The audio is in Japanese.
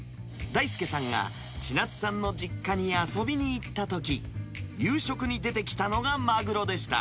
大亮さんが千夏さんの実家に遊びに行ったとき、夕食に出てきたのがマグロでした。